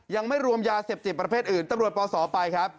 ยังไม่รวมยาเสพติดประเภทอื่นตำรวจปศไปครับ